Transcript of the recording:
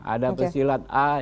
ada pesilat a yang sempurna